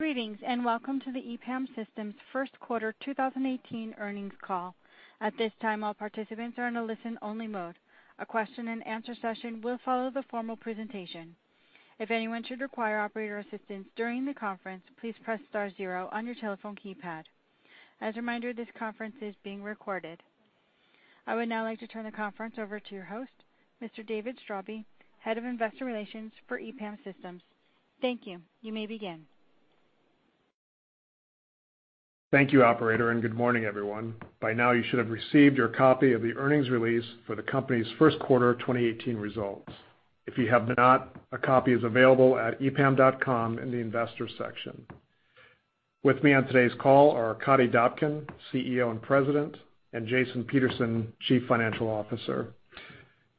Greetings, and welcome to the EPAM Systems' first quarter 2018 earnings call. At this time, all participants are in a listen-only mode. A question and answer session will follow the formal presentation. If anyone should require operator assistance during the conference, please press star zero on your telephone keypad. As a reminder, this conference is being recorded. I would now like to turn the conference over to your host, Mr. David Straube, Head of Investor Relations for EPAM Systems. Thank you. You may begin. Thank you operator, and good morning, everyone. By now, you should have received your copy of the earnings release for the company's first quarter 2018 results. If you have not, a copy is available at epam.com in the Investors section. With me on today's call are Arkadiy Dobkin, CEO and President, and Jason Peterson, Chief Financial Officer.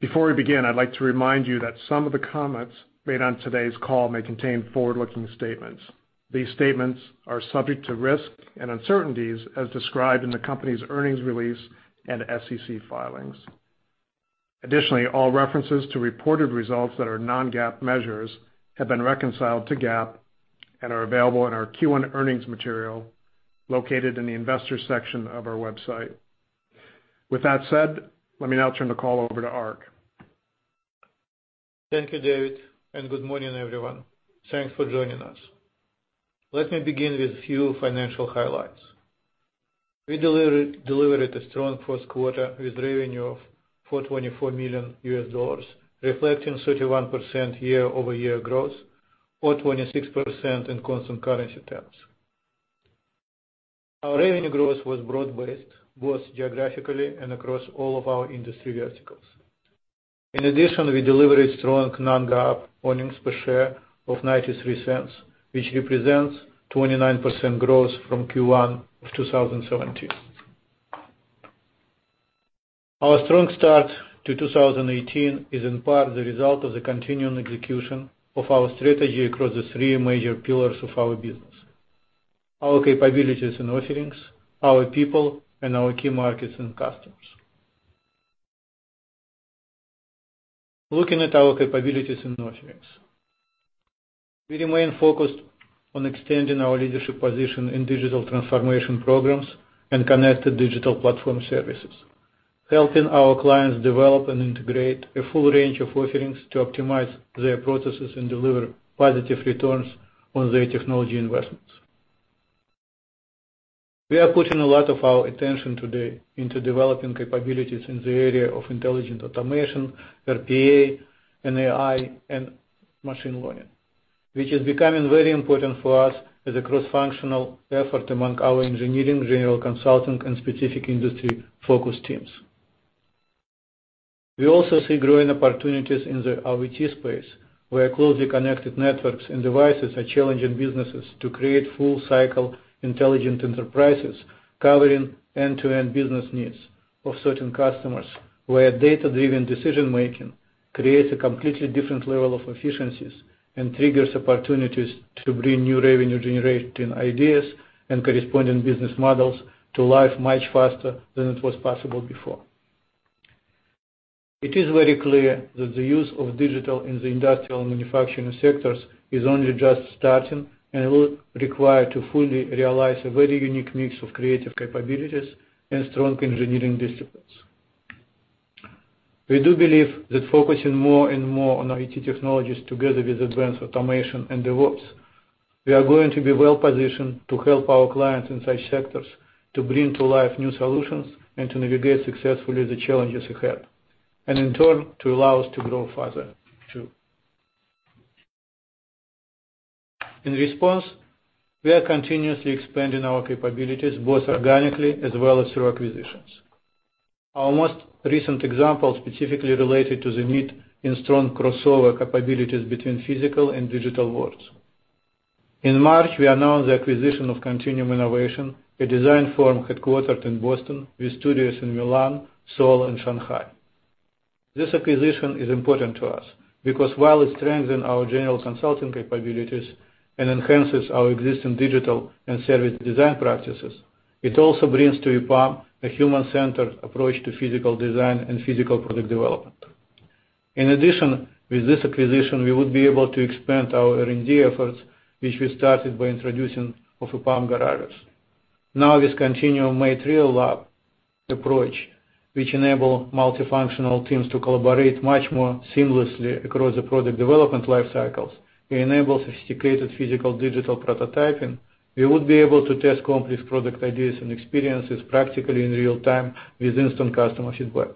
Before we begin, I'd like to remind you that some of the comments made on today's call may contain forward-looking statements. These statements are subject to risks and uncertainties as described in the company's earnings release and SEC filings. Additionally, all references to reported results that are non-GAAP measures have been reconciled to GAAP and are available in our Q1 earnings material located in the Investors section of our website. With that said, let me now turn the call over to Ark. Thank you, David, and good morning, everyone. Thanks for joining us. Let me begin with a few financial highlights. We delivered a strong first quarter with revenue of $424 million, reflecting 31% year-over-year growth or 26% in constant currency terms. Our revenue growth was broad-based, both geographically and across all of our industry verticals. In addition, we delivered strong non-GAAP earnings per share of $0.93, which represents 29% growth from Q1 of 2017. Our strong start to 2018 is in part the result of the continuing execution of our strategy across the three major pillars of our business: our capabilities and offerings, our people, and our key markets and customers. Looking at our capabilities and offerings. We remain focused on extending our leadership position in digital transformation programs and connected digital platform services, helping our clients develop and integrate a full range of offerings to optimize their processes and deliver positive returns on their technology investments. We are putting a lot of our attention today into developing capabilities in the area of intelligent automation, RPA and AI, and machine learning, which is becoming very important for us as a cross-functional effort among our engineering, general consulting, and specific industry-focused teams. We also see growing opportunities in the IoT space, where closely connected networks and devices are challenging businesses to create full-cycle intelligent enterprises covering end-to-end business needs of certain customers, where data-driven decision-making creates a completely different level of efficiencies and triggers opportunities to bring new revenue-generating ideas and corresponding business models to life much faster than it was possible before. It is very clear that the use of digital in the industrial and manufacturing sectors is only just starting and will require to fully realize a very unique mix of creative capabilities and strong engineering disciplines. We do believe that focusing more and more on IT technologies together with advanced automation and DevOps, we are going to be well-positioned to help our clients in such sectors to bring to life new solutions and to navigate successfully the challenges ahead, and in turn, to allow us to grow faster, too. In response, we are continuously expanding our capabilities, both organically as well as through acquisitions. Our most recent example specifically related to the need in strong crossover capabilities between physical and digital worlds. In March, we announced the acquisition of Continuum Innovation, a design firm headquartered in Boston with studios in Milan, Seoul, and Shanghai. This acquisition is important to us because while it strengthens our general consulting capabilities and enhances our existing digital and service design practices, it also brings to EPAM a human-centered approach to physical design and physical product development. In addition, with this acquisition, we would be able to expand our R&D efforts, which we started by introducing of EPAM Garage. Now, with Continuum material lab approach, which enable multifunctional teams to collaborate much more seamlessly across the product development life cycles, we enable sophisticated physical-digital prototyping. We would be able to test complex product ideas and experiences practically in real-time with instant customer feedback.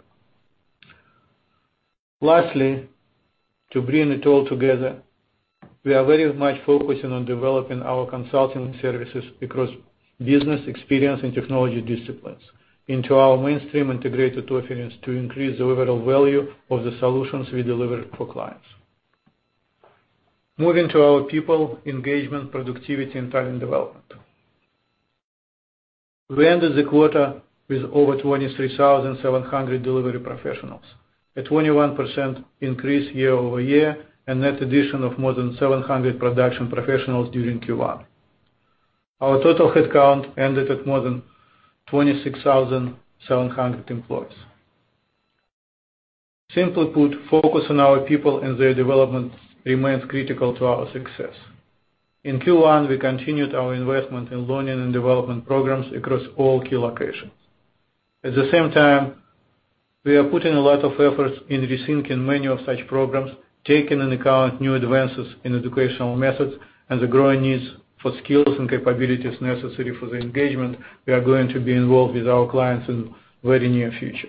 Lastly, to bring it all together, we are very much focusing on developing our consulting services across business experience and technology disciplines into our mainstream integrated offerings to increase the overall value of the solutions we deliver for clients. Moving to our people engagement, productivity, and talent development. We ended the quarter with over 23,700 delivery professionals, a 21% increase year-over-year, a net addition of more than 700 production professionals during Q1. Our total headcount ended at more than 26,700 employees. Simply put, focus on our people and their development remains critical to our success. In Q1, we continued our investment in learning and development programs across all key locations. At the same time, we are putting a lot of effort in rethinking many such programs, taking into account new advances in educational methods and the growing needs for skills and capabilities necessary for the engagement we are going to be involved with our clients in very near future.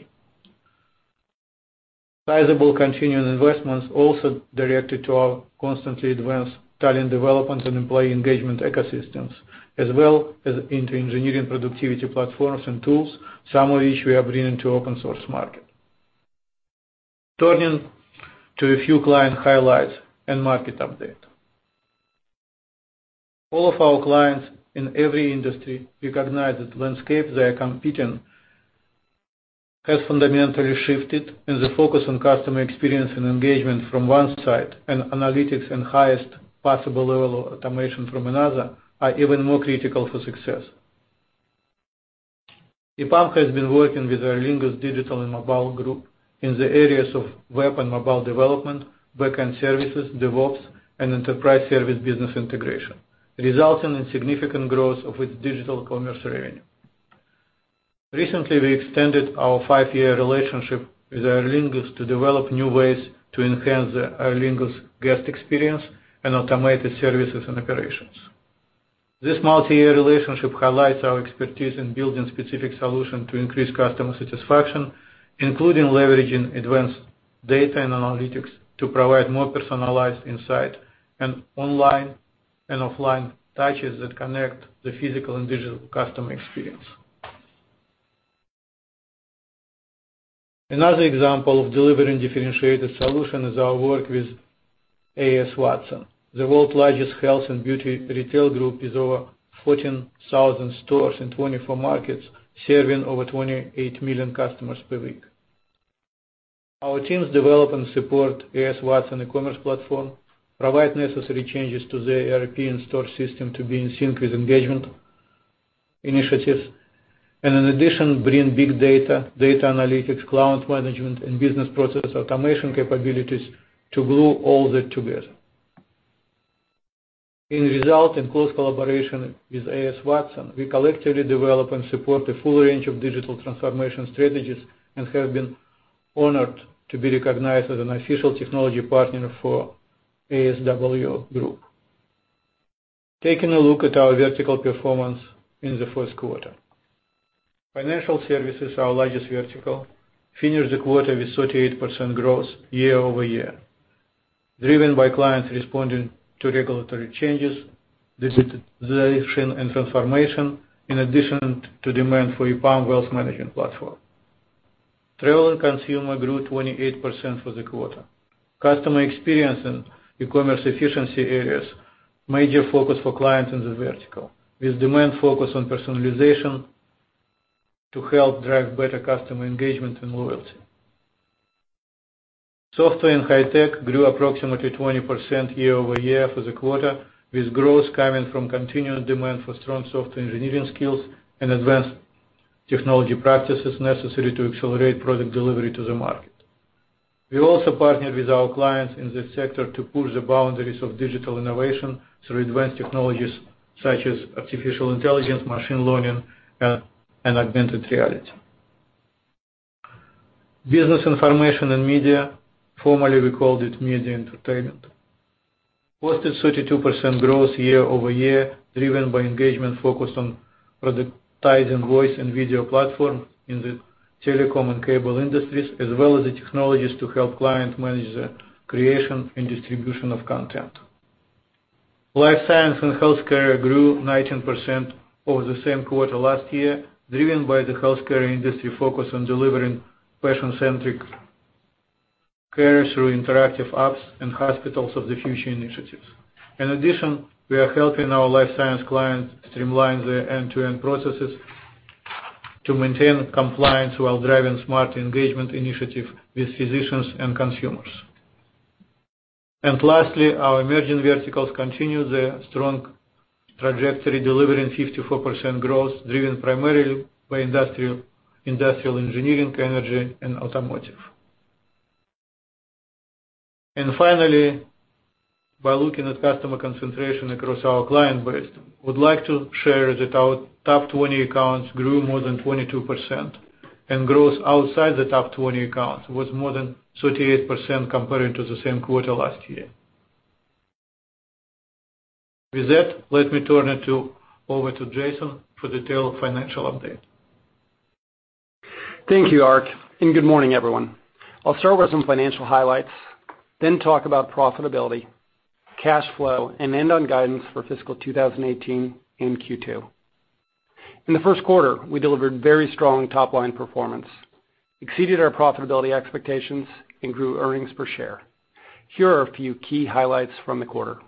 Sizable continuing investments also directed to our constantly advanced talent development and employee engagement ecosystems, as well as into engineering productivity platforms and tools, some of which we are bringing to open source market. Turning to a few client highlights and market update. All of our clients in every industry recognize the landscape they are competing has fundamentally shifted, and the focus on customer experience and engagement from one side and analytics and highest possible level of automation from another are even more critical for success. EPAM has been working with Aer Lingus Digital and Mobile in the areas of web and mobile development, backend services, DevOps, and enterprise service business integration, resulting in significant growth of its digital commerce revenue. Recently, we extended our five-year relationship with Aer Lingus to develop new ways to enhance the Aer Lingus guest experience and automated services and operations. This multi-year relationship highlights our expertise in building specific solution to increase customer satisfaction, including leveraging advanced data and analytics to provide more personalized insight and online and offline touches that connect the physical and digital customer experience. Another example of delivering differentiated solution is our work with A.S. Watson, the world's largest health and beauty retail group, with over 14,000 stores in 24 markets, serving over 28 million customers per week. Our teams develop and support A.S. Watson e-commerce platform, provide necessary changes to their ERP and store system to be in sync with engagement initiatives, and in addition, bring big data analytics, cloud management, and business process automation capabilities to glue all that together. In result, in close collaboration with A.S. Watson, we collectively develop and support a full range of digital transformation strategies and have been honored to be recognized as an official technology partner for ASW Group. Taking a look at our vertical performance in the first quarter. Financial services, our largest vertical, finished the quarter with 38% growth year-over-year, driven by clients responding to regulatory changes, digitization, and transformation, in addition to demand for EPAM wealth management platform. Travel and consumer grew 28% for the quarter. Customer experience and e-commerce efficiency areas major focus for clients in the vertical, with demand focused on personalization to help drive better customer engagement and loyalty. Software and high tech grew approximately 20% year-over-year for the quarter, with growth coming from continued demand for strong software engineering skills and advanced technology practices necessary to accelerate product delivery to the market. We also partnered with our clients in this sector to push the boundaries of digital innovation through advanced technologies such as artificial intelligence, machine learning, and augmented reality. Business information and media, formerly we called it media and entertainment, posted 32% growth year-over-year, driven by engagement focused on productizing voice and video platform in the telecom and cable industries, as well as the technologies to help clients manage the creation and distribution of content. Life science and healthcare grew 19% over the same quarter last year, driven by the healthcare industry focus on delivering patient-centric care through interactive apps and hospitals of the future initiatives. In addition, we are helping our life science clients streamline their end-to-end processes to maintain compliance while driving smart engagement initiative with physicians and consumers. Lastly, our emerging verticals continue their strong trajectory, delivering 54% growth, driven primarily by industrial engineering, energy, and automotive. Finally, by looking at customer concentration across our client base, would like to share that our top 20 accounts grew more than 22%, and growth outside the top 20 accounts was more than 38% comparing to the same quarter last year. With that, let me turn it over to Jason for detailed financial update. Thank you, Ark, and good morning, everyone. I will start with some financial highlights, then talk about profitability, cash flow, and end on guidance for fiscal 2018 and Q2. In the first quarter, we delivered very strong top-line performance, exceeded our profitability expectations, and grew earnings per share. Here are a few key highlights from the quarter.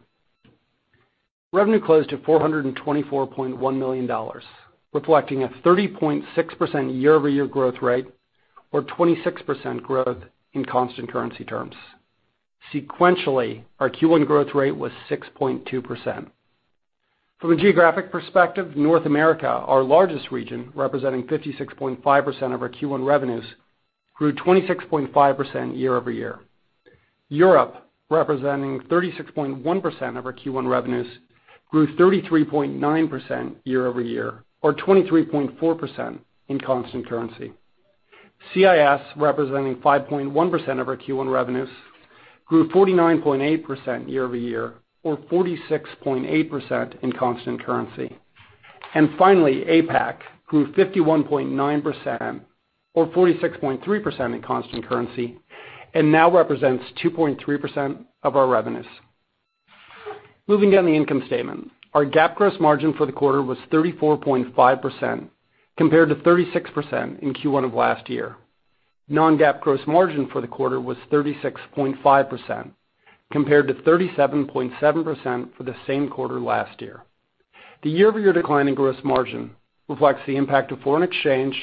Revenue closed at $424.1 million, reflecting a 30.6% year-over-year growth rate or 26% growth in constant currency terms. Sequentially, our Q1 growth rate was 6.2%. From a geographic perspective, North America, our largest region, representing 56.5% of our Q1 revenues, grew 26.5% year-over-year. Europe, representing 36.1% of our Q1 revenues, grew 33.9% year-over-year, or 23.4% in constant currency. CIS, representing 5.1% of our Q1 revenues, grew 49.8% year-over-year, or 46.8% in constant currency. Finally, APAC grew 51.9%, or 46.3% in constant currency, and now represents 2.3% of our revenues. Moving down the income statement. Our GAAP gross margin for the quarter was 34.5%, compared to 36% in Q1 of last year. Non-GAAP gross margin for the quarter was 36.5%, compared to 37.7% for the same quarter last year. The year-over-year decline in gross margin reflects the impact of foreign exchange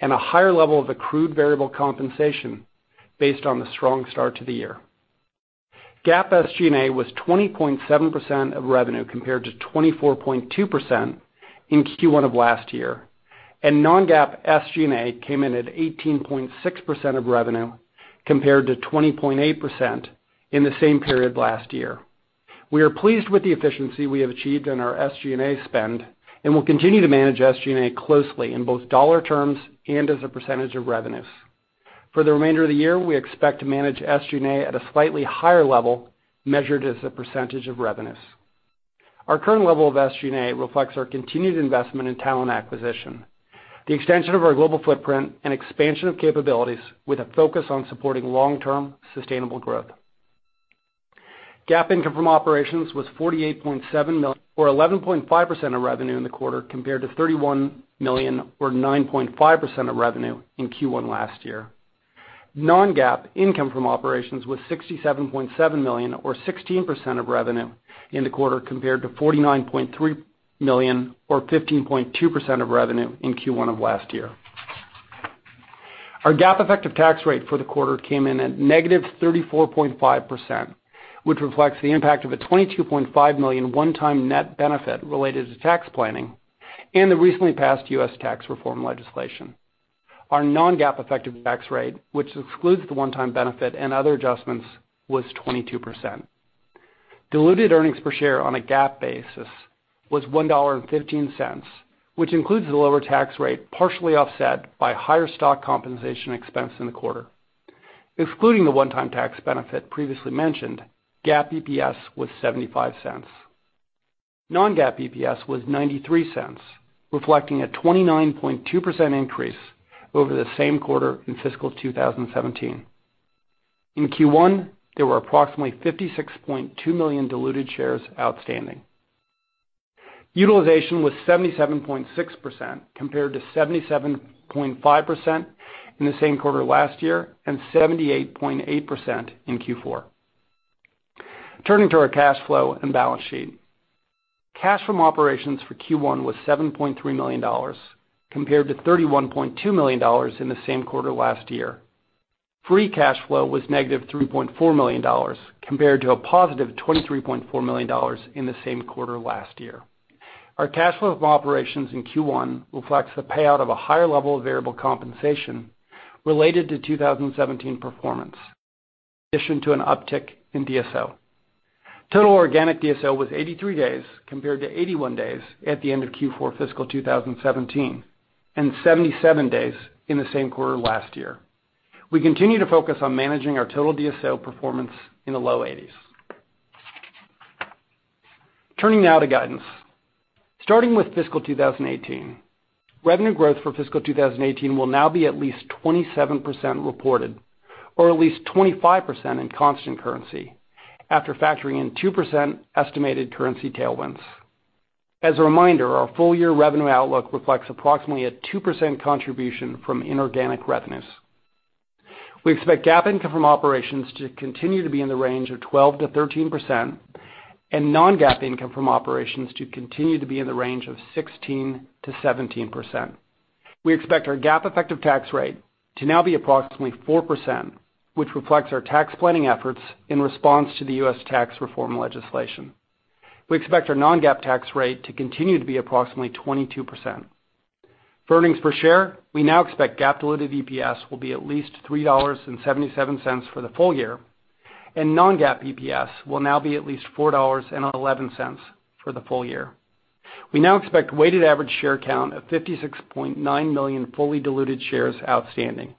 and a higher level of accrued variable compensation based on the strong start to the year. GAAP SG&A was 20.7% of revenue, compared to 24.2% in Q1 of last year, and non-GAAP SG&A came in at 18.6% of revenue, compared to 20.8% in the same period last year. We are pleased with the efficiency we have achieved in our SG&A spend, and will continue to manage SG&A closely in both dollar terms and as a percentage of revenues. For the remainder of the year, we expect to manage SG&A at a slightly higher level, measured as a percentage of revenues. Our current level of SG&A reflects our continued investment in talent acquisition, the extension of our global footprint, and expansion of capabilities with a focus on supporting long-term sustainable growth. GAAP income from operations was $48.7 million, or 11.5% of revenue in the quarter, compared to $31 million, or 9.5% of revenue in Q1 last year. Non-GAAP income from operations was $67.7 million, or 16% of revenue in the quarter, compared to $49.3 million, or 15.2% of revenue in Q1 of last year. Our GAAP effective tax rate for the quarter came in at negative 34.5%, which reflects the impact of a $22.5 million one-time net benefit related to tax planning and the recently passed U.S. tax reform legislation. Our non-GAAP effective tax rate, which excludes the one-time benefit and other adjustments, was 22%. Diluted earnings per share on a GAAP basis was $1.15, which includes the lower tax rate, partially offset by higher stock compensation expense in the quarter. Excluding the one-time tax benefit previously mentioned, GAAP EPS was $0.75. Non-GAAP EPS was $0.93, reflecting a 29.2% increase over the same quarter in fiscal 2017. In Q1, there were approximately 56.2 million diluted shares outstanding. Utilization was 77.6%, compared to 77.5% in the same quarter last year, and 78.8% in Q4. Turning to our cash flow and balance sheet. Cash from operations for Q1 was $7.3 million, compared to $31.2 million in the same quarter last year. Free cash flow was negative $3.4 million, compared to a positive $23.4 million in the same quarter last year. Our cash flow from operations in Q1 reflects the payout of a higher level of variable compensation related to 2017 performance, in addition to an uptick in DSO. Total organic DSO was 83 days, compared to 81 days at the end of Q4 fiscal 2017, and 77 days in the same quarter last year. We continue to focus on managing our total DSO performance in the low 80s. Turning now to guidance. Starting with fiscal 2018, revenue growth for fiscal 2018 will now be at least 27% reported, or at least 25% in constant currency, after factoring in 2% estimated currency tailwinds. As a reminder, our full year revenue outlook reflects approximately a 2% contribution from inorganic revenues. We expect GAAP income from operations to continue to be in the range of 12%-13%, and non-GAAP income from operations to continue to be in the range of 16%-17%. We expect our GAAP effective tax rate to now be approximately 4%, which reflects our tax planning efforts in response to the US tax reform legislation. We expect our non-GAAP tax rate to continue to be approximately 22%. For earnings per share, we now expect GAAP diluted EPS will be at least $3.77 for the full year, and non-GAAP EPS will now be at least $4.11 for the full year. We now expect weighted average share count of 56.9 million fully diluted shares outstanding.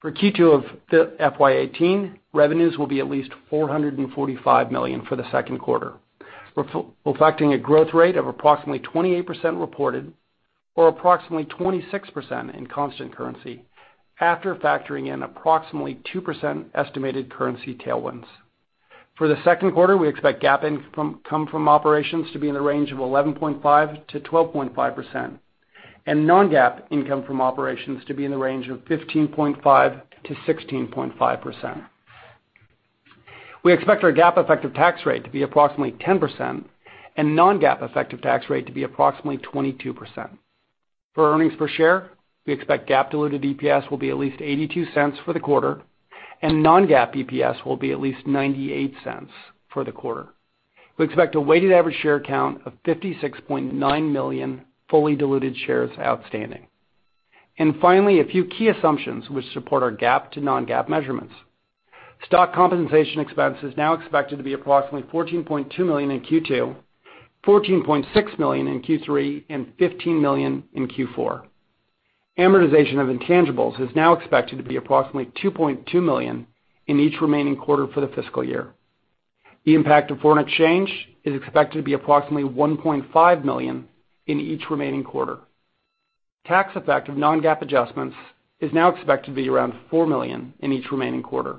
For Q2 of FY 2018, revenues will be at least $445 million for the second quarter, reflecting a growth rate of approximately 28% reported or approximately 26% in constant currency, after factoring in approximately 2% estimated currency tailwinds. For the second quarter, we expect GAAP income from operations to be in the range of 11.5%-12.5%, and non-GAAP income from operations to be in the range of 15.5%-16.5%. We expect our GAAP effective tax rate to be approximately 10%, and non-GAAP effective tax rate to be approximately 22%. For earnings per share, we expect GAAP diluted EPS will be at least $0.82 for the quarter, and non-GAAP EPS will be at least $0.98 for the quarter. We expect a weighted average share count of 56.9 million fully diluted shares outstanding. Finally, a few key assumptions which support our GAAP to non-GAAP measurements. Stock compensation expense is now expected to be approximately $14.2 million in Q2, $14.6 million in Q3, and $15 million in Q4. Amortization of intangibles is now expected to be approximately $2.2 million in each remaining quarter for the fiscal year. The impact of foreign exchange is expected to be approximately $1.5 million in each remaining quarter. Tax effect of non-GAAP adjustments is now expected to be around $4 million in each remaining quarter.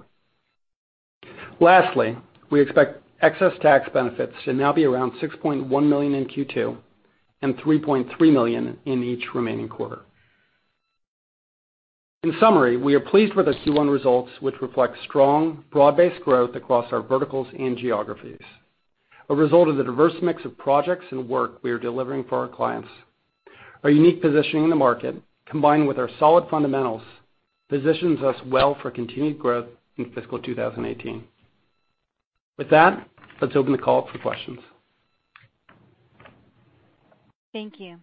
Lastly, we expect excess tax benefits to now be around $6.1 million in Q2 and $3.3 million in each remaining quarter. In summary, we are pleased with our Q1 results, which reflect strong, broad-based growth across our verticals and geographies, a result of the diverse mix of projects and work we are delivering for our clients. Our unique positioning in the market, combined with our solid fundamentals, positions us well for continued growth in fiscal 2018. With that, let's open the call up for questions. Thank you.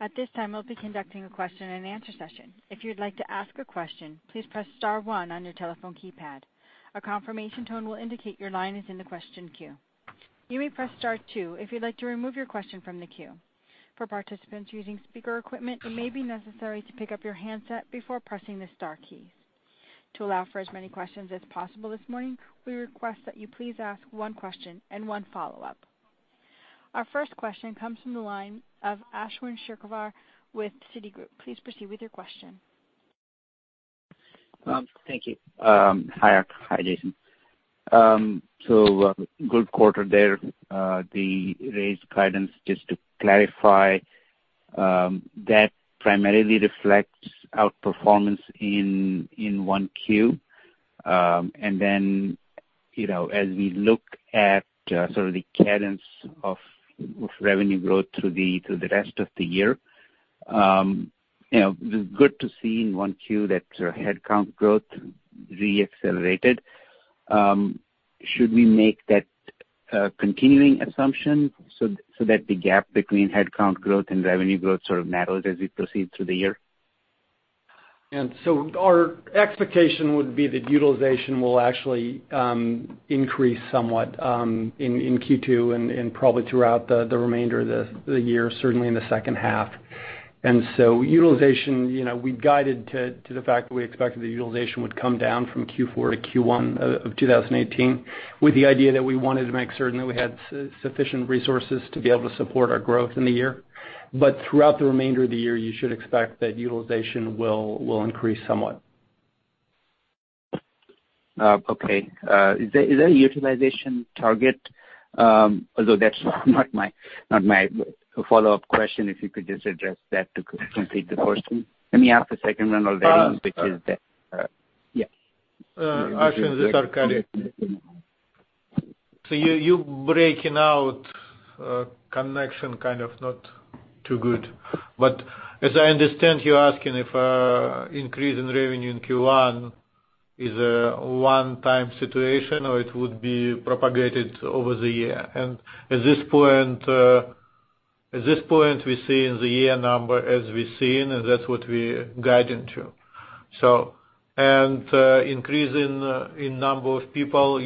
At this time, we'll be conducting a question and answer session. If you'd like to ask a question, please press star one on your telephone keypad. A confirmation tone will indicate your line is in the question queue. You may press star two if you'd like to remove your question from the queue. For participants using speaker equipment, it may be necessary to pick up your handset before pressing the star keys. To allow for as many questions as possible this morning, we request that you please ask one question and one follow-up. Our first question comes from the line of Ashwin Shirvaikar with Citigroup. Please proceed with your question. Thank you. Hi, Jason. Good quarter there. The raised guidance, just to clarify, that primarily reflects outperformance in one Q. As we look at sort of the cadence of revenue growth through the rest of the year, it was good to see in 1Q that headcount growth re-accelerated. Should we make that a continuing assumption so that the gap between headcount growth and revenue growth sort of narrows as we proceed through the year? Our expectation would be that utilization will actually increase somewhat in Q2 and probably throughout the remainder of the year, certainly in the second half. Utilization, we'd guided to the fact that we expected the utilization would come down from Q4 to Q1 of 2018, with the idea that we wanted to make certain that we had sufficient resources to be able to support our growth in the year. Throughout the remainder of the year, you should expect that utilization will increase somewhat. Okay. Is there a utilization target? Although that's not my follow-up question. If you could just address that to complete the question. Let me ask the second one. which is that, yeah. Ashwin, this is Arkadiy. You breaking out connection kind of not too good. As I understand, you're asking if increase in revenue in Q1 is a one-time situation, or it would be propagated over the year. At this point, we see in the year number as we've seen, and that's what we're guiding to. Increase in number of people,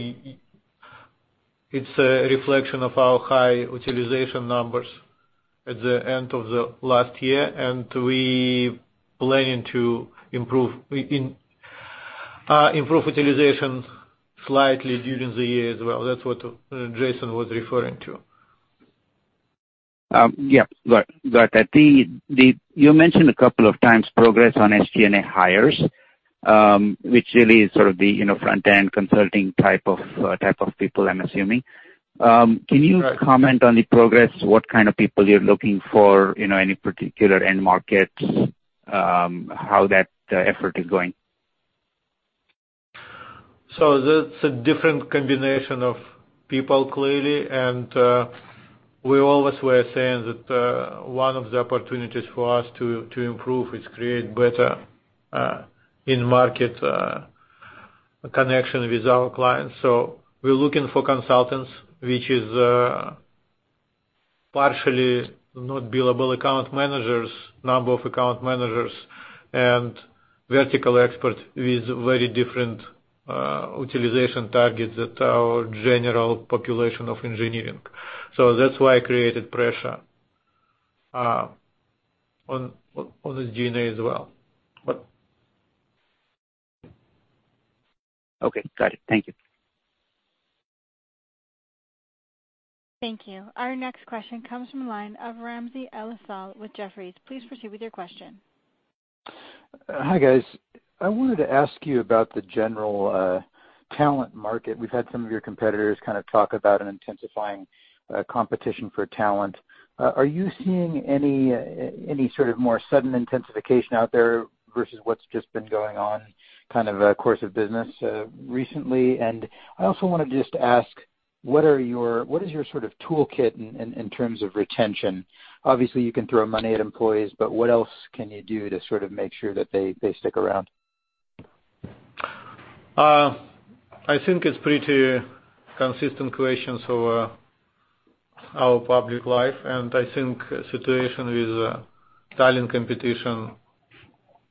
it's a reflection of our high utilization numbers at the end of the last year, and we plan to improve utilization slightly during the year as well. That's what Jason was referring to. Yeah. Got it. You mentioned a couple of times progress on SG&A hires, which really is sort of the front-end consulting type of people, I'm assuming. Right. Can you comment on the progress? What kind of people you're looking for, any particular end markets, how that effort is going? That's a different combination of people, clearly. We always were saying that one of the opportunities for us to improve is create better end market connection with our clients. We're looking for consultants, which is partially not billable account managers, number of account managers and vertical experts with very different utilization targets that our general population of engineering. That's why I created pressure on the G&A as well. Okay, got it. Thank you. Thank you. Our next question comes from the line of Ramsey El-Assal with Jefferies. Please proceed with your question. Hi, guys. I wanted to ask you about the general talent market. We've had some of your competitors kind of talk about an intensifying competition for talent. Are you seeing any sort of more sudden intensification out there versus what's just been going on kind of a course of business recently? I also want to just ask What is your toolkit in terms of retention? Obviously, you can throw money at employees, but what else can you do to make sure that they stick around? I think it's a pretty consistent equation for our public life, and I think the situation with talent competition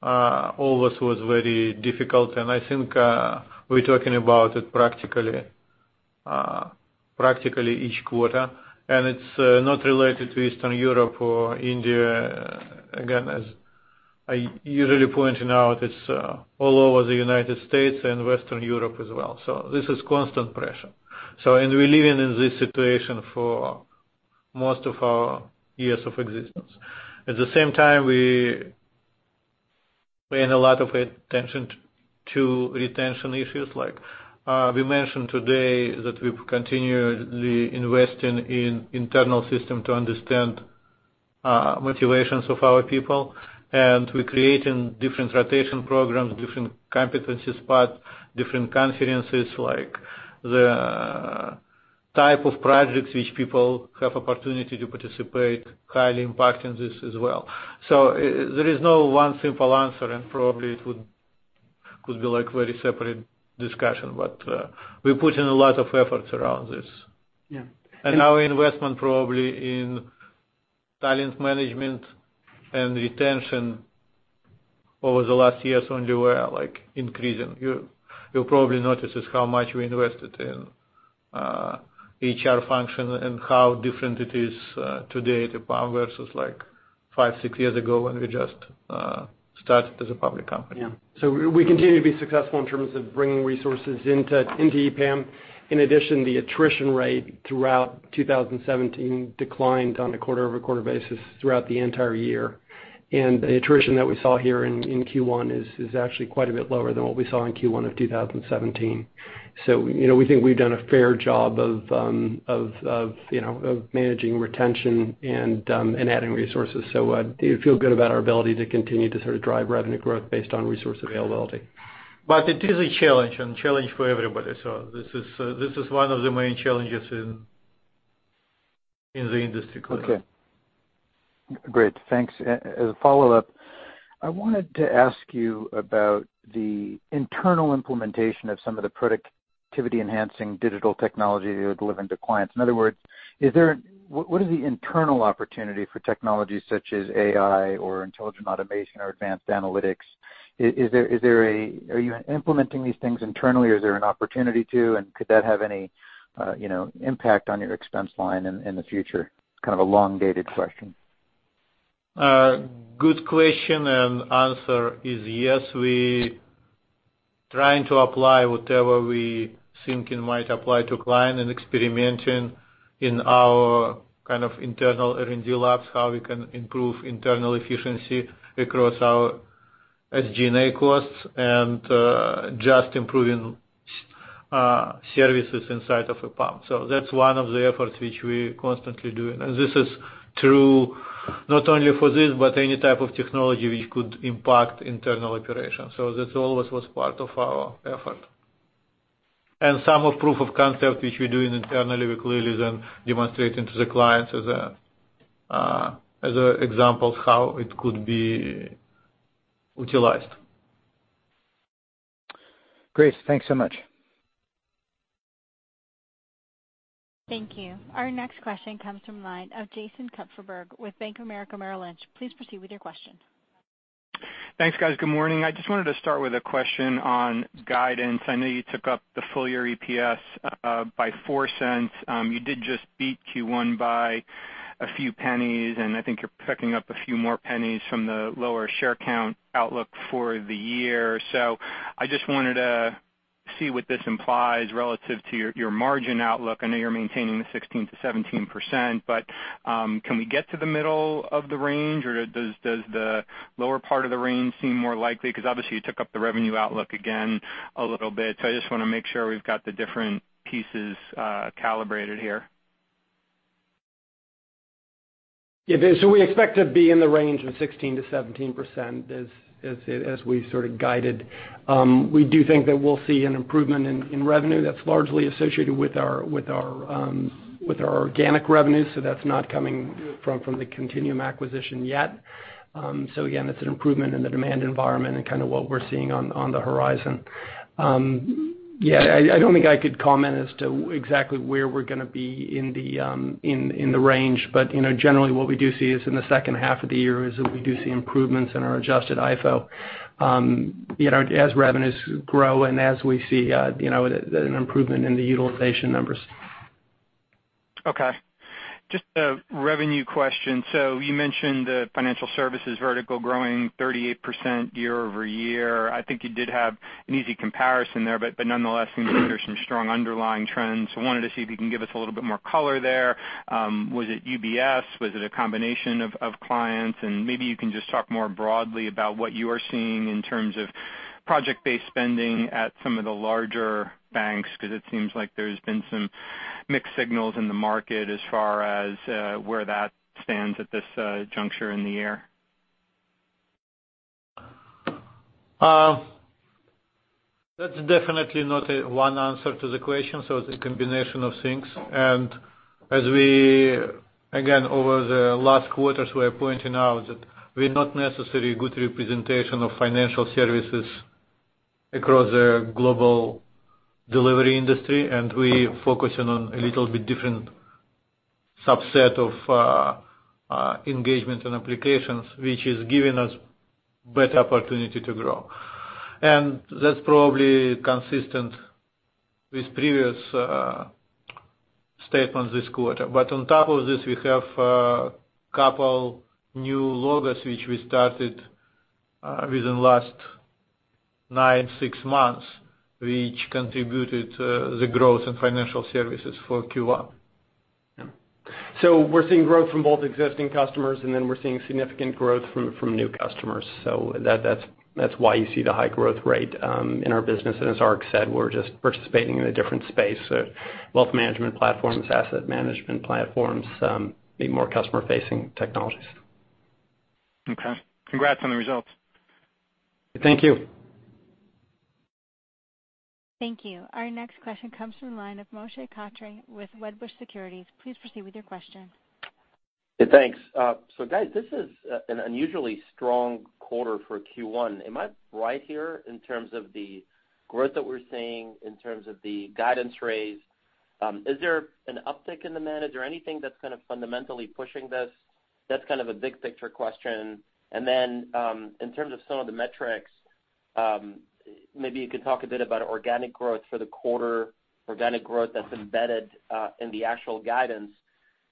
always was very difficult, and I think we're talking about it practically each quarter, and it's not related to Eastern Europe or India. Again, as I usually point out, it's all over the U.S. and Western Europe as well. This is constant pressure. We're living in this situation for most of our years of existence. At the same time, we paying a lot of attention to retention issues, like we mentioned today that we've continually investing in internal system to understand motivations of our people, and we're creating different rotation programs, different Competency Centers, different conferences, like the type of projects which people have opportunity to participate, highly impacting this as well. There is no one simple answer, and probably it could be very separate discussion, but we're putting a lot of efforts around this. Yeah. Our investment probably in talent management and retention over the last years only were increasing. You probably noticed how much we invested in HR function and how different it is today at EPAM versus five, six years ago when we just started as a public company. We continue to be successful in terms of bringing resources into EPAM. In addition, the attrition rate throughout 2017 declined on a quarter-over-quarter basis throughout the entire year. The attrition that we saw here in Q1 is actually quite a bit lower than what we saw in Q1 of 2017. We think we've done a fair job of managing retention and adding resources. I do feel good about our ability to continue to drive revenue growth based on resource availability. It is a challenge, and challenge for everybody. This is one of the main challenges in the industry clearly. Okay. Great. Thanks. As a follow-up, I wanted to ask you about the internal implementation of some of the productivity-enhancing digital technology you're delivering to clients. In other words, what is the internal opportunity for technologies such as AI or intelligent automation or advanced analytics? Are you implementing these things internally, or is there an opportunity to, and could that have any impact on your expense line in the future? It's kind of a long-dated question. Good question. Answer is yes. We trying to apply whatever we think might apply to client and experimenting in our internal R&D labs, how we can improve internal efficiency across our SG&A costs, and just improving services inside of EPAM. That's one of the efforts which we're constantly doing. This is true not only for this, but any type of technology which could impact internal operations. That always was part of our effort. Some of proof of concept which we're doing internally, we clearly then demonstrate into the clients as an example of how it could be utilized. Great. Thanks so much. Thank you. Our next question comes from the line of Jason Kupferberg with Bank of America Merrill Lynch. Please proceed with your question. Thanks, guys. Good morning. I just wanted to start with a question on guidance. I know you took up the full-year EPS by $0.04. You did just beat Q1 by a few pennies, and I think you're picking up a few more pennies from the lower share count outlook for the year. I just wanted to see what this implies relative to your margin outlook. I know you're maintaining the 16%-17%, but can we get to the middle of the range or does the lower part of the range seem more likely? Obviously you took up the revenue outlook again a little bit, I just want to make sure we've got the different pieces calibrated here. We expect to be in the range of 16%-17% as we guided. We do think that we'll see an improvement in revenue that's largely associated with our organic revenues, so that's not coming from the Continuum acquisition yet. Again, it's an improvement in the demand environment and what we're seeing on the horizon. I don't think I could comment as to exactly where we're going to be in the range, but generally what we do see is in the second half of the year is that we do see improvements in our adjusted IFO as revenues grow and as we see an improvement in the utilization numbers. Just a revenue question. You mentioned the financial services vertical growing 38% year-over-year. I think you did have an easy comparison there, but nonetheless, seems like there's some strong underlying trends. Wanted to see if you can give us a little bit more color there. Was it UBS? Was it a combination of clients? Maybe you can just talk more broadly about what you are seeing in terms of project-based spending at some of the larger banks, because it seems like there's been some mixed signals in the market as far as where that stands at this juncture in the year. That's definitely not one answer to the question. It's a combination of things. As we, again, over the last quarters, we are pointing out that we are not necessarily a good representation of financial services across the global delivery industry, and we're focusing on a little bit different subset of engagement and applications, which is giving us better opportunity to grow. That's probably consistent with previous statements this quarter. On top of this, we have a couple new logos which we started within last nine, six months, which contributed to the growth in financial services for Q1. We're seeing growth from both existing customers, then we're seeing significant growth from new customers. That's why you see the high growth rate in our business. As Ark said, we're just participating in a different space of wealth management platforms, asset management platforms, be more customer-facing technologies. Okay. Congrats on the results. Thank you. Thank you. Our next question comes from the line of Moshe Katri with Wedbush Securities. Please proceed with your question. Yeah, thanks. Guys, this is an unusually strong quarter for Q1. Am I right here in terms of the growth that we're seeing, in terms of the guidance raise? Is there an uptick in the demand or anything that's going to fundamentally pushing this? That's kind of a big picture question. In terms of some of the metrics, maybe you could talk a bit about organic growth for the quarter, organic growth that's embedded in the actual guidance,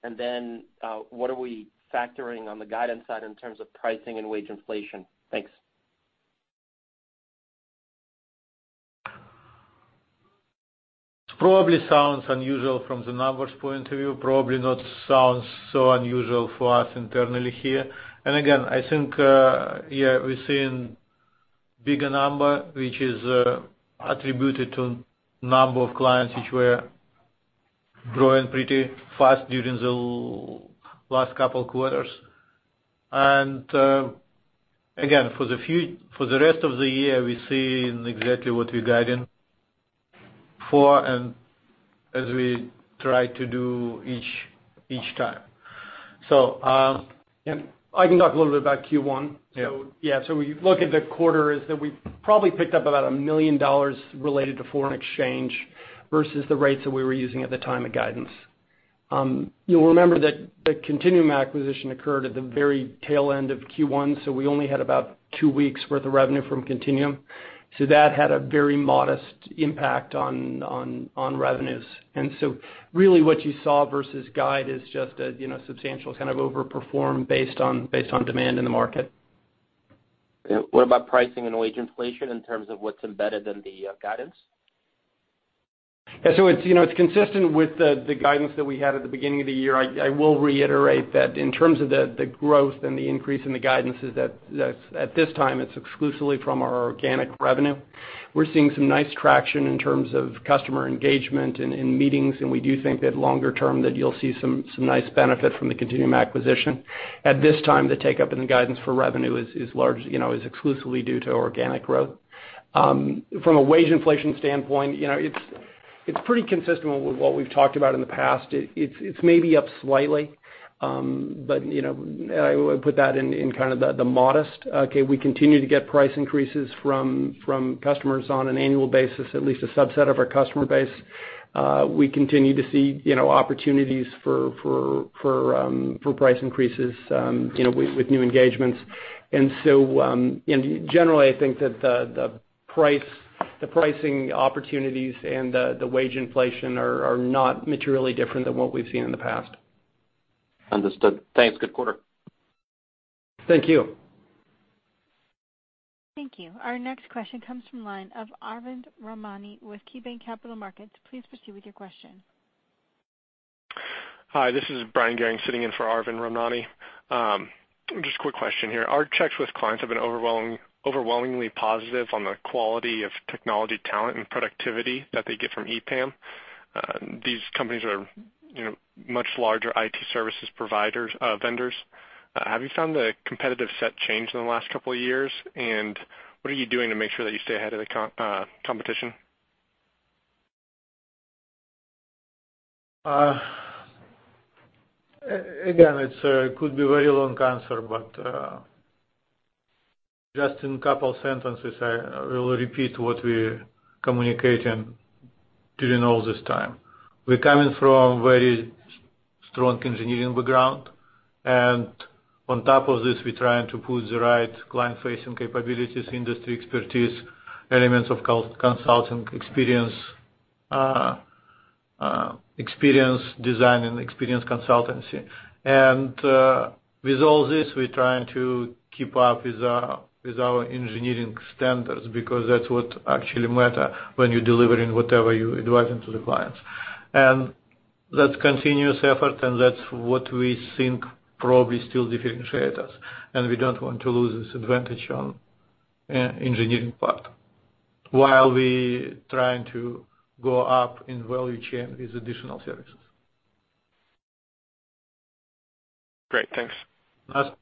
and then, what are we factoring on the guidance side in terms of pricing and wage inflation? Thanks. It probably sounds unusual from the numbers point of view, probably not sounds so unusual for us internally here. Again, I think, yeah, we're seeing bigger number, which is attributed to number of clients which were growing pretty fast during the last couple of quarters. Again, for the rest of the year, we're seeing exactly what we're guiding for and as we try to do each time. I can talk a little bit about Q1. Yeah. We look at the quarter is that we probably picked up about $1 million related to foreign exchange versus the rates that we were using at the time of guidance. You'll remember that the Continuum acquisition occurred at the very tail end of Q1, we only had about two weeks worth of revenue from Continuum. That had a very modest impact on revenues. Really what you saw versus guide is just a substantial kind of over-perform based on demand in the market. What about pricing and wage inflation in terms of what's embedded in the guidance? It's consistent with the guidance that we had at the beginning of the year. I will reiterate that in terms of the growth and the increase in the guidance is that at this time, it's exclusively from our organic revenue. We're seeing some nice traction in terms of customer engagement and in meetings, and we do think that longer term, that you'll see some nice benefit from the Continuum acquisition. At this time, the take-up in the guidance for revenue is exclusively due to organic growth. From a wage inflation standpoint, it's pretty consistent with what we've talked about in the past. It's maybe up slightly. I would put that in the modest. Okay. We continue to get price increases from customers on an annual basis, at least a subset of our customer base. We continue to see opportunities for price increases with new engagements. Generally, I think that the pricing opportunities and the wage inflation are not materially different than what we've seen in the past. Understood. Thanks. Good quarter. Thank you. Thank you. Our next question comes from line of Arvind Ramnani with KeyBanc Capital Markets. Please proceed with your question. Hi, this is Bryan Bergin sitting in for Arvind Ramnani. Just a quick question here. Our checks with clients have been overwhelmingly positive on the quality of technology talent and productivity that they get from EPAM. These companies are much larger IT services vendors. Have you found the competitive set changed in the last couple of years, and what are you doing to make sure that you stay ahead of the competition? It could be very long answer, but just in couple sentences, I will repeat what we communicating during all this time. We're coming from very strong engineering background, and on top of this, we're trying to put the right client-facing capabilities, industry expertise, elements of consulting experience designing, experience consultancy. With all this, we're trying to keep up with our engineering standards because that's what actually matter when you're delivering whatever you're advising to the clients. That's continuous effort, and that's what we think probably still differentiate us, and we don't want to lose this advantage on engineering part while we trying to go up in value chain with additional services. Great. Thanks.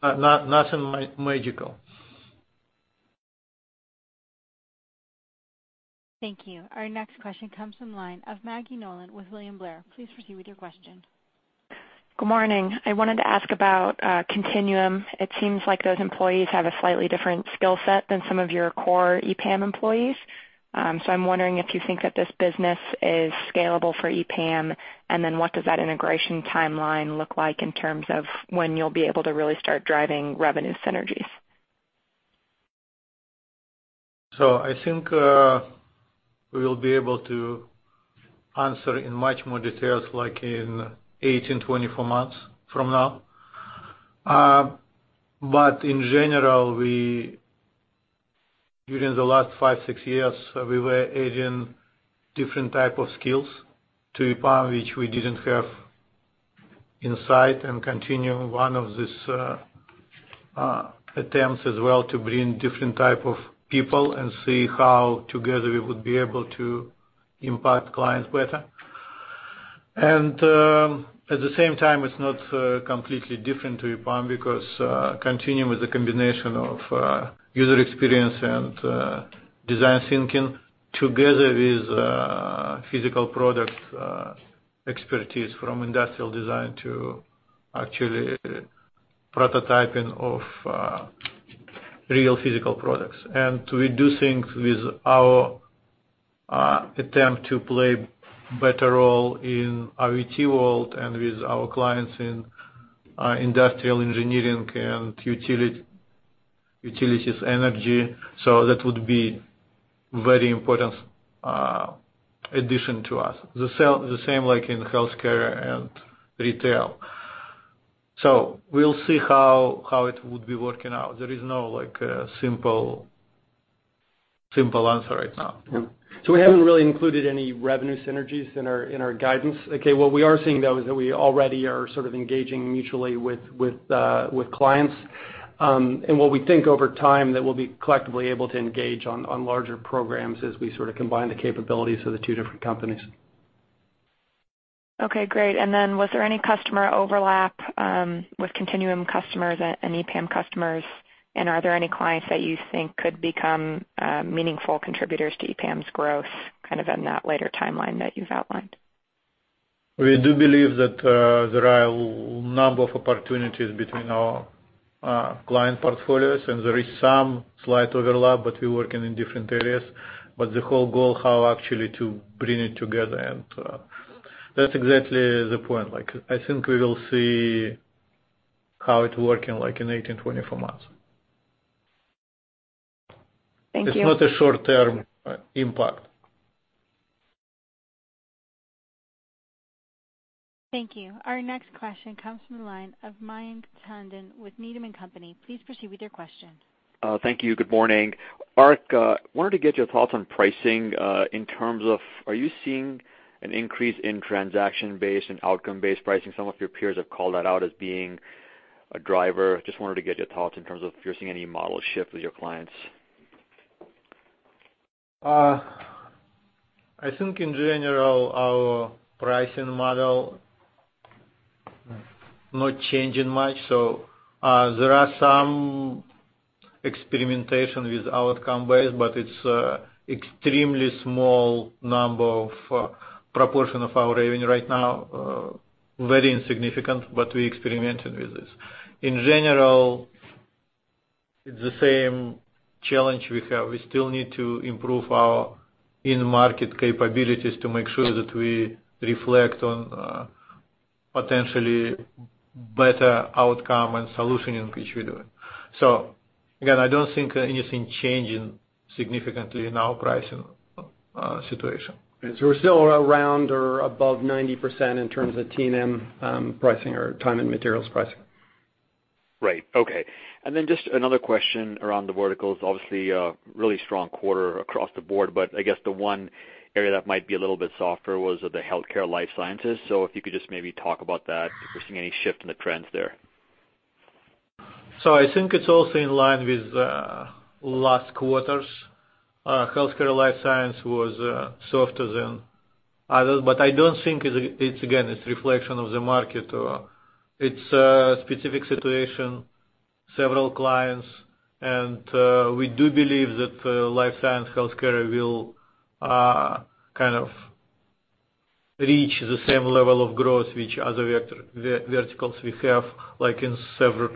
Nothing magical. Thank you. Our next question comes from the line of Maggie Nolan with William Blair. Please proceed with your question. Good morning. I wanted to ask about Continuum. It seems like those employees have a slightly different skill set than some of your core EPAM employees. I'm wondering if you think that this business is scalable for EPAM, what does that integration timeline look like in terms of when you'll be able to really start driving revenue synergies? I think we will be able to answer in much more details, like in 18, 24 months from now. In general, during the last five, six years, we were adding different type of skills to EPAM, which we didn't have inside. Continuum, one of these attempts as well to bring different type of people and see how together we would be able to impact clients better. At the same time, it's not completely different to EPAM because Continuum is a combination of user experience and design thinking together with physical product expertise from industrial design to actually prototyping of real physical products. We do think with our attempt to play better role in IoT world and with our clients in industrial engineering and utilities energy. That would be very important addition to us. The same like in healthcare and retail. We'll see how it would be working out. There is no simple answer right now. We haven't really included any revenue synergies in our guidance. Okay. What we are seeing, though, is that we already are sort of engaging mutually with clients. What we think over time that we'll be collectively able to engage on larger programs as we sort of combine the capabilities of the two different companies. Okay, great. Was there any customer overlap with Continuum customers and EPAM customers? Are there any clients that you think could become meaningful contributors to EPAM's growth kind of in that later timeline that you've outlined? We do believe that there are a number of opportunities between our client portfolios, and there is some slight overlap, but we working in different areas. The whole goal, how actually to bring it together, and that's exactly the point. I think we will see how it working in 18, 24 months. Thank you. It's not a short-term impact. Thank you. Our next question comes from the line of Mayank Tandon with Needham & Company. Please proceed with your question. Thank you. Good morning. Ark, wanted to get your thoughts on pricing in terms of, are you seeing an increase in transaction-based and outcome-based pricing? Some of your peers have called that out as being a driver. Just wanted to get your thoughts in terms of if you're seeing any model shift with your clients. I think in general, our pricing model not changing much. There are some experimentation with outcome-based, but it's extremely small number of proportion of our revenue right now. Very insignificant, but we experimented with this. In general, it's the same challenge we have. We still need to improve our in-market capabilities to make sure that we reflect on potentially better outcome and solution in which we do it. Again, I don't think anything changing significantly in our pricing situation. We're still around or above 90% in terms of T&M pricing or time and materials pricing. Right. Okay. Just another question around the verticals. Obviously, a really strong quarter across the board, but I guess the one area that might be a little bit softer was the healthcare life sciences. If you could just maybe talk about that, if you're seeing any shift in the trends there. I think it's also in line with last quarters. Healthcare life science was softer than others, but I don't think it's, again, it's reflection of the market or it's a specific situation, several clients, and we do believe that life science healthcare will kind of reach the same level of growth which other verticals we have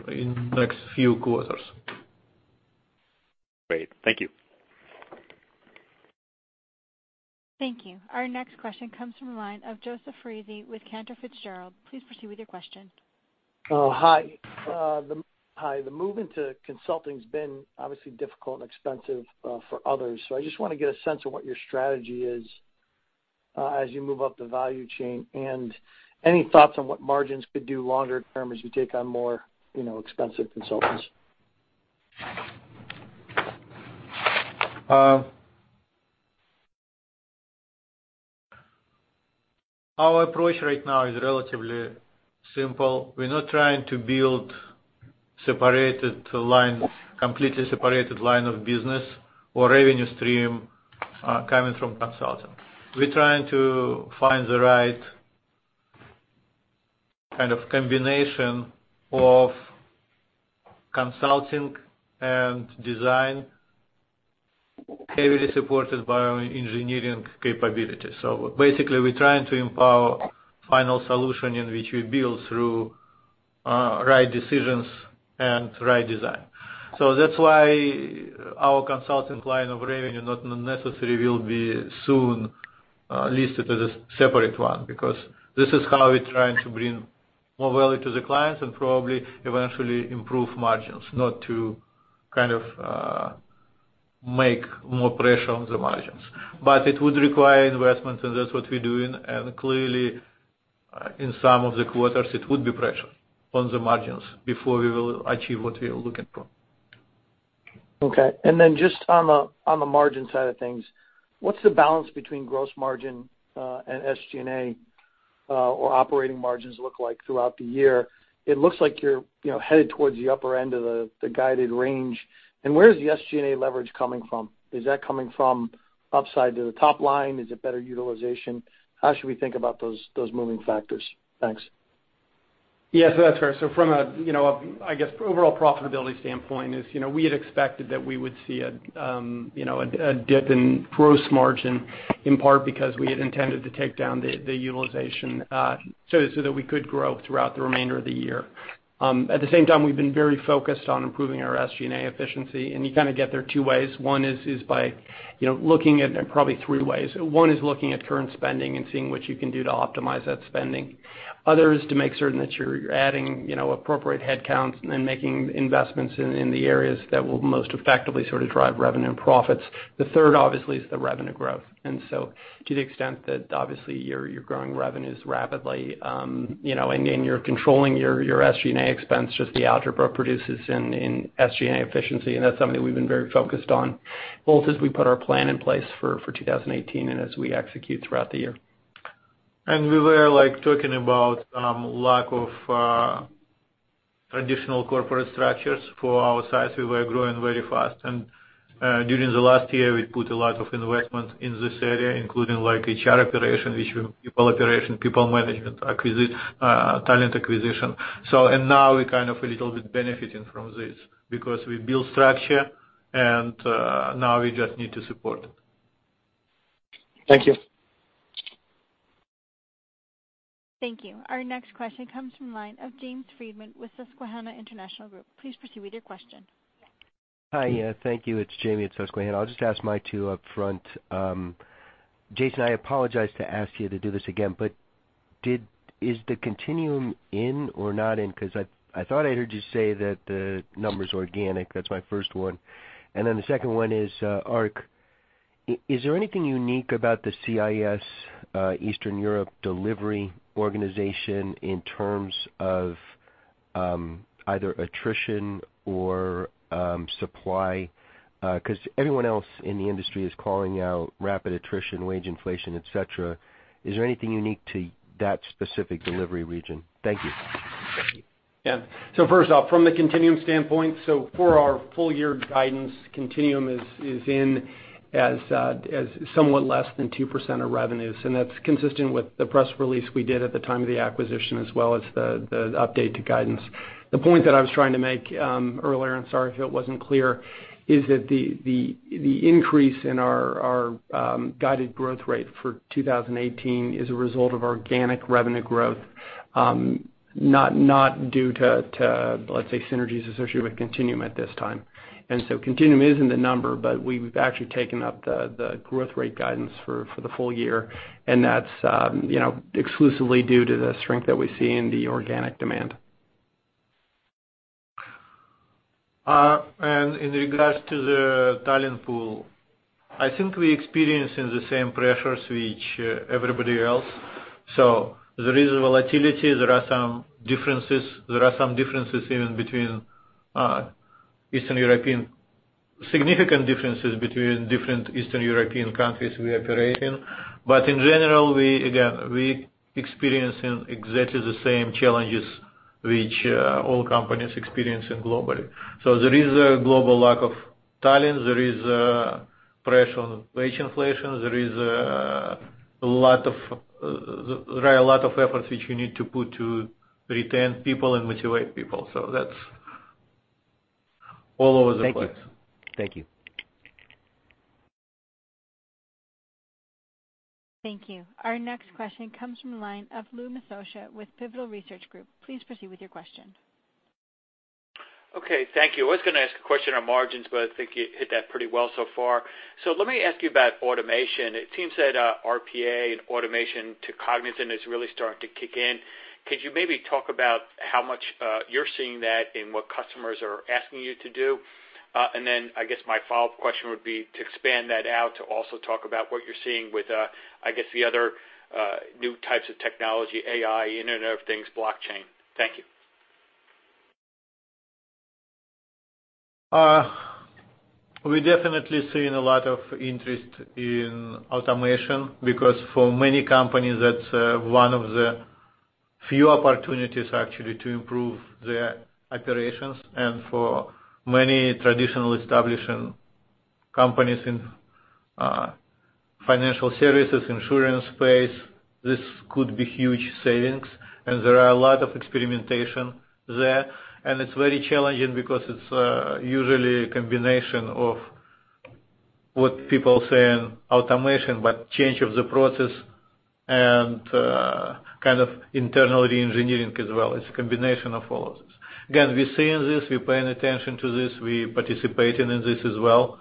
in next few quarters. Great. Thank you. Thank you. Our next question comes from the line of Joseph Foresi with Cantor Fitzgerald. Please proceed with your question. Hi. The move into consulting's been obviously difficult and expensive for others. I just want to get a sense of what your strategy is as you move up the value chain, and any thoughts on what margins could do longer term as you take on more expensive consultants? Our approach right now is relatively simple. We're not trying to build completely separated line of business or revenue stream coming from consulting. We're trying to find the right kind of combination of consulting and design, heavily supported by engineering capabilities. Basically, we're trying to empower final solution in which we build through right decisions and right design. That's why our consulting line of revenue not necessarily will be soon listed as a separate one, because this is how we're trying to bring more value to the clients and probably eventually improve margins, not to kind of make more pressure on the margins. It would require investment, and that's what we're doing. Clearly, in some of the quarters, it would be pressure on the margins before we will achieve what we are looking for. Okay. Just on the margin side of things, what's the balance between gross margin and SG&A or operating margins look like throughout the year? It looks like you're headed towards the upper end of the guided range. Where is the SG&A leverage coming from? Is that coming from upside to the top line? Is it better utilization? How should we think about those moving factors? Thanks. Yeah, that's fair. From a, I guess, overall profitability standpoint is, we had expected that we would see a dip in gross margin, in part because we had intended to take down the utilization so that we could grow throughout the remainder of the year. At the same time, we've been very focused on improving our SG&A efficiency, and you kind of get there two ways. One is by looking at three ways. One is looking at current spending and seeing what you can do to optimize that spending. Other is to make certain that you're adding appropriate headcounts and making investments in the areas that will most effectively sort of drive revenue and profits. The third, obviously, is the revenue growth. To the extent that obviously you're growing revenues rapidly, and you're controlling your SG&A expense, just the algebra produces in SG&A efficiency, and that's something we've been very focused on, both as we put our plan in place for 2018 and as we execute throughout the year. We were talking about lack of traditional corporate structures for our size. We were growing very fast. During the last year, we put a lot of investment in this area, including like HR operation, people operation, people management, talent acquisition. Now we kind of a little bit benefiting from this because we build structure, and now we just need to support it. Thank you. Thank you. Our next question comes from line of James Friedman with Susquehanna International Group. Please proceed with your question. Hi. Thank you. It's James at Susquehanna. I'll just ask my two upfront. Jason, I apologize to ask you to do this again. Is the Continuum in or not in? I thought I heard you say that the number's organic. That's my first one. The second one is, Ark, is there anything unique about the CIS, Eastern Europe delivery organization in terms of either attrition or supply? Everyone else in the industry is calling out rapid attrition, wage inflation, et cetera. Is there anything unique to that specific delivery region? Thank you. First off, from the Continuum standpoint, so for our full year guidance, Continuum is in as somewhat less than 2% of revenues, and that's consistent with the press release we did at the time of the acquisition, as well as the update to guidance. The point that I was trying to make earlier, and sorry if it wasn't clear, is that the increase in our guided growth rate for 2018 is a result of organic revenue growth, not due to, let's say, synergies associated with Continuum at this time. Continuum is in the number, but we've actually taken up the growth rate guidance for the full year, and that's exclusively due to the strength that we see in the organic demand. In regards to the talent pool, I think we experiencing the same pressures which everybody else. There is volatility, there are some differences. There are some differences even between Eastern European. Significant differences between different Eastern European countries we operate in. In general, again, we experiencing exactly the same challenges which all companies experiencing globally. There is a global lack of talent. There is pressure on wage inflation. There are a lot of efforts which you need to put to retain people and motivate people. That's all over the place. Thank you. Thank you. Our next question comes from the line of Louis Miscioscia with Pivotal Research Group. Please proceed with your question. Okay, thank you. I was going to ask a question on margins, I think you hit that pretty well so far. Let me ask you about automation. It seems that RPA and automation to Cognizant is really starting to kick in. Could you maybe talk about how much you're seeing that and what customers are asking you to do? Then I guess my follow-up question would be to expand that out to also talk about what you're seeing with, I guess, the other new types of technology, AI, Internet of Things, blockchain. Thank you. We're definitely seeing a lot of interest in automation because for many companies, that's one of the few opportunities actually to improve their operations. For many traditional established companies in financial services, insurance space, this could be huge savings, and there are a lot of experimentation there. It's very challenging because it's usually a combination of what people say in automation, but change of the process and internal re-engineering as well. It's a combination of all of this. Again, we're seeing this, we're paying attention to this, we're participating in this as well.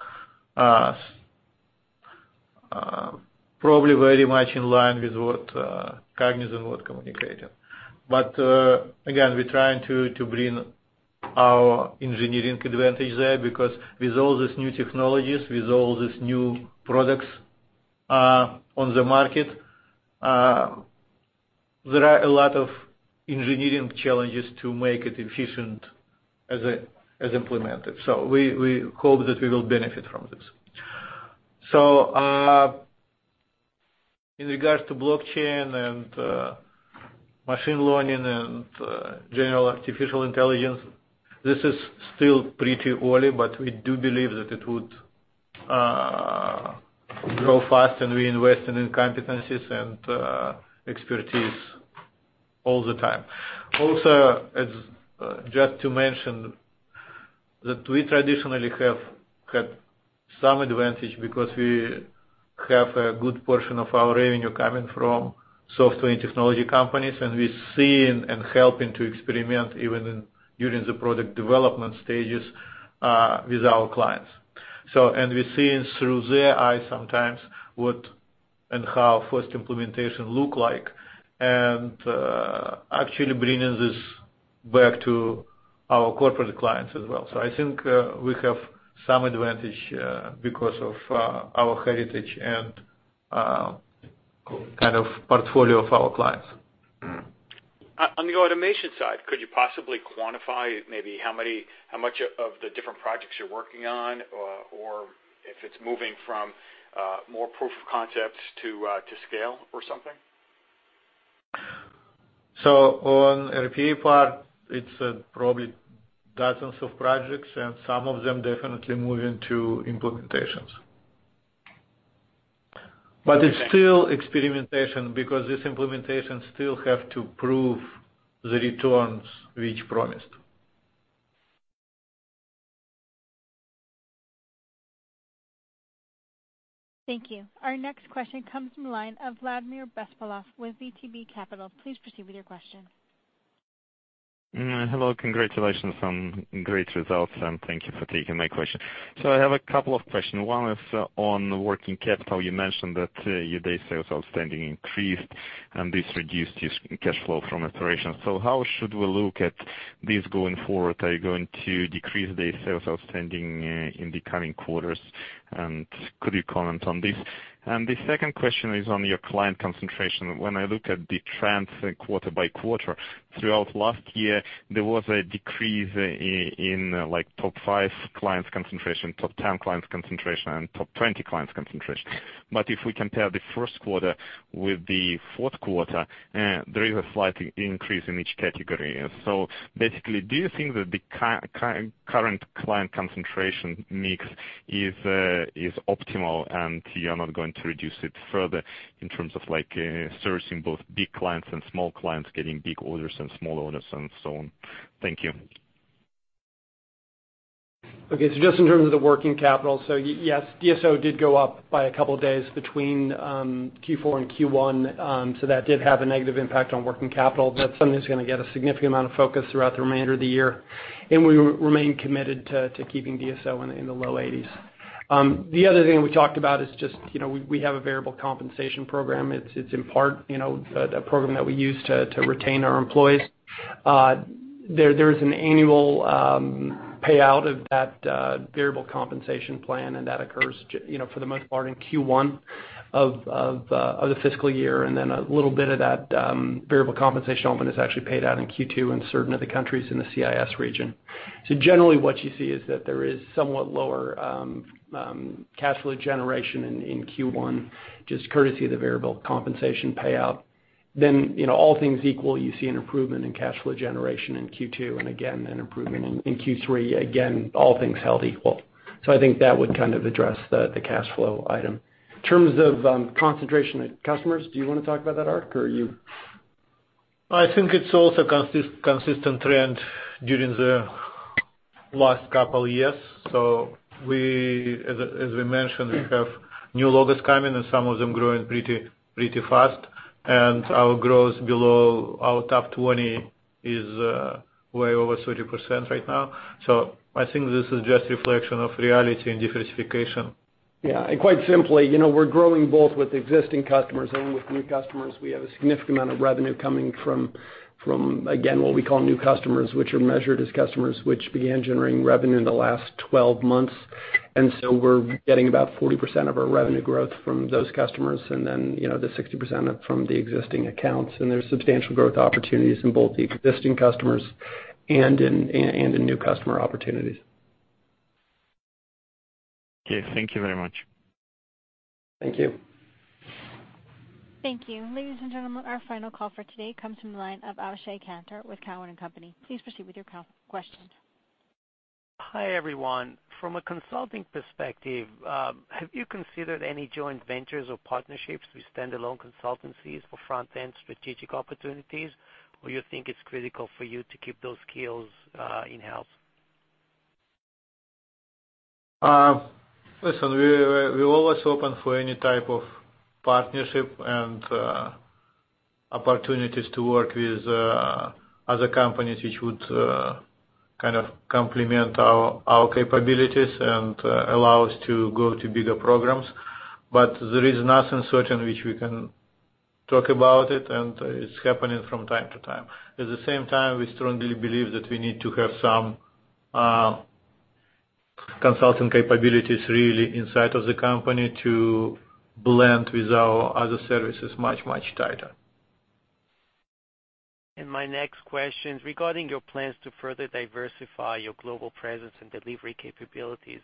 Probably very much in line with what Cognizant was communicating. Again, we're trying to bring our engineering advantage there because with all these new technologies, with all these new products on the market, there are a lot of engineering challenges to make it efficient as implemented. We hope that we will benefit from this. In regards to blockchain and machine learning and general artificial intelligence, this is still pretty early, but we do believe that it would grow fast. We invest in competencies and expertise all the time. Also, just to mention that we traditionally have had some advantage because we have a good portion of our revenue coming from software and technology companies. We're seeing and helping to experiment even during the product development stages with our clients. We're seeing through their eyes sometimes what and how first implementation look like, actually bringing this back to our corporate clients as well. I think we have some advantage because of our heritage and portfolio of our clients. On the automation side, could you possibly quantify maybe how much of the different projects you're working on, or if it's moving from more proof of concepts to scale or something? On the RPA part, it's probably dozens of projects. Some of them definitely moving to implementations. It's still experimentation because these implementations still have to prove the returns which promised. Thank you. Our next question comes from the line of Vladimir Bespalov with VTB Capital. Please proceed with your question. Hello, congratulations on great results, and thank you for taking my question. I have a couple of questions. One is on working capital. You mentioned that your day sales outstanding increased, and this reduced your cash flow from operations. How should we look at this going forward? Are you going to decrease day sales outstanding in the coming quarters, and could you comment on this? The second question is on your client concentration. When I look at the trends quarter by quarter, throughout last year, there was a decrease in top five clients concentration, top 10 clients concentration, and top 20 clients concentration. But if we compare the first quarter with the fourth quarter, there is a slight increase in each category. Basically, do you think that the current client concentration mix is optimal and you're not going to reduce it further in terms of servicing both big clients and small clients, getting big orders and small orders and so on? Thank you. Okay. Just in terms of the working capital, yes, DSO did go up by a couple of days between Q4 and Q1, that did have a negative impact on working capital. That's something that's going to get a significant amount of focus throughout the remainder of the year. We remain committed to keeping DSO in the low 80s. The other thing we talked about is just we have a variable compensation program. It's in part a program that we use to retain our employees. There is an annual payout of that variable compensation plan, and that occurs for the most part in Q1 of the fiscal year, and then a little bit of that variable compensation element is actually paid out in Q2 in certain other countries in the CIS region. Generally, what you see is that there is somewhat lower cash flow generation in Q1, just courtesy of the variable compensation payout. All things equal, you see an improvement in cash flow generation in Q2, and again, an improvement in Q3, again, all things held equal. I think that would address the cash flow item. In terms of concentration of customers, do you want to talk about that, Ark, or are you? I think it's also a consistent trend during the last couple years. As we mentioned, we have new logos coming, and some of them growing pretty fast. Our growth below our top 20 is way over 30% right now. I think this is just reflection of reality and diversification. Quite simply, we're growing both with existing customers and with new customers. We have a significant amount of revenue coming from, again, what we call new customers, which are measured as customers which began generating revenue in the last 12 months. We're getting about 40% of our revenue growth from those customers, and then the 60% from the existing accounts. There's substantial growth opportunities in both the existing customers and in new customer opportunities. Okay, thank you very much. Thank you. Thank you. Ladies and gentlemen, our final call for today comes from the line of Avishai Kantor with Cowen and Company. Please proceed with your questions. Hi, everyone. From a consulting perspective, have you considered any joint ventures or partnerships with standalone consultancies for front-end strategic opportunities? You think it's critical for you to keep those skills in-house? Listen, we always open for any type of partnership and opportunities to work with other companies which would complement our capabilities and allow us to go to bigger programs. There is nothing certain which we can talk about it, and it's happening from time to time. At the same time, we strongly believe that we need to have some consulting capabilities really inside of the company to blend with our other services much tighter. My next question, regarding your plans to further diversify your global presence and delivery capabilities,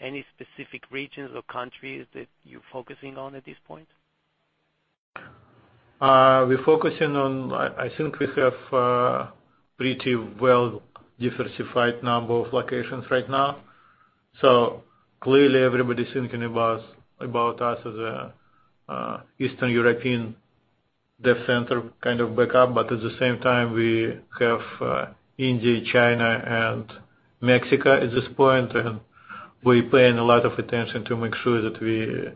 any specific regions or countries that you're focusing on at this point? We're focusing on, I think, we have a pretty well-diversified number of locations right now. Clearly everybody's thinking about us as an Eastern European dev center kind of backup. At the same time, we have India, China, and Mexico at this point, and we're paying a lot of attention to make sure that we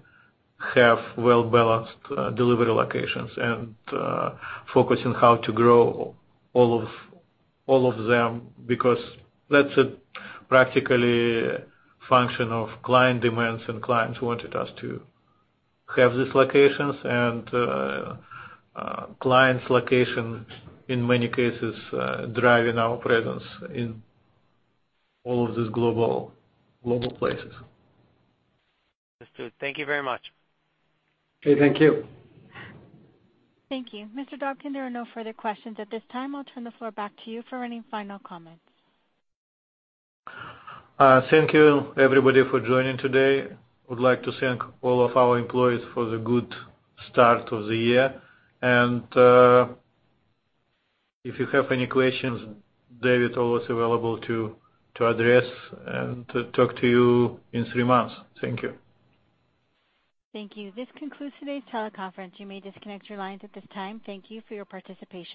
have well-balanced delivery locations and focus on how to grow all of them because that's a practical function of client demands and clients wanted us to have these locations and clients' location, in many cases, driving our presence in all of these global places. That's good. Thank you very much. Okay, thank you. Thank you. Mr. Dobkin, there are no further questions at this time. I'll turn the floor back to you for any final comments. Thank you everybody for joining today. Would like to thank all of our employees for the good start of the year. If you have any questions, David always available to address and to talk to you in three months. Thank you. Thank you. This concludes today's teleconference. You may disconnect your lines at this time. Thank you for your participation.